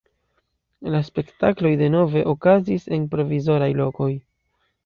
La spektakloj denove okazis en provizoraj lokoj.